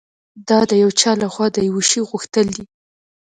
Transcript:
دا د یو چا لهخوا د یوه شي غوښتل دي